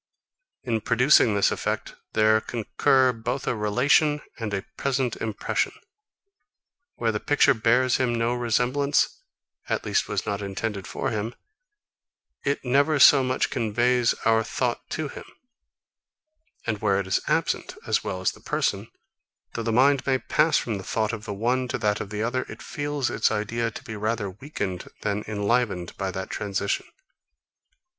In producing this effect, there concur both a relation and a present impression. Where the picture bears him no resemblance, at least was not intended for him, it never so much as conveys our thought to him: And where it is absent, as well as the person, though the mind may pass from the thought of the one to that of the other, it feels its idea to be rather weakened than enlivened by that transition.